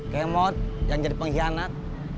game mode yang jadi pengkhianat